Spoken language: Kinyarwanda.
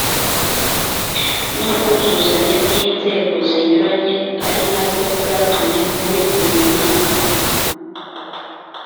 n ubwuzuzanye bw inzego zinyuranye ari nabwo bwatumye muri uyu mwaka